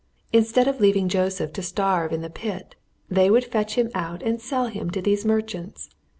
Instead of leaving Joseph to starve in the pit, they would fetch him out and sell him to these merchants.